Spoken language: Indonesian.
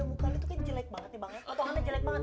otongannya jelek banget